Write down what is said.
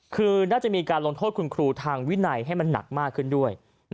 คือน่าจะมีการลงโทษคุณครูทางวินัยให้มันหนักมากขึ้นด้วย